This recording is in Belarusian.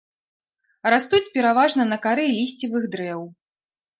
Растуць пераважна на кары лісцевых дрэў.